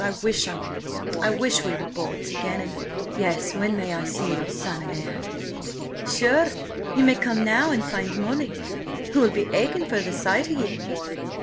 I wish–oh, I WISH we were boys again, and— Yes. When may I see your son and heir?" "Sure, ye may come now and find Molly, who'll be aching for the sight of you.